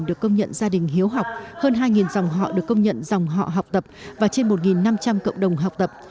được công nhận gia đình hiếu học hơn hai dòng họ được công nhận dòng họ học tập và trên một năm trăm linh cộng đồng học tập